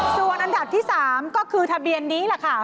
ส่วนอันดับที่๓ก็คือทะเบียนนี้แหละค่ะ